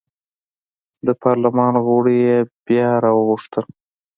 د پارلمان غړي یې بیا راوغوښتل.